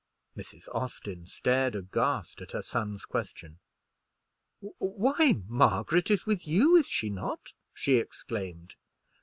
Mrs. Austin stared aghast at her son's question. "Why, Margaret is with you, is she not?" she exclaimed.